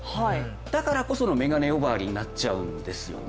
だからこそのメガネ呼ばわりになっちゃうんですよね。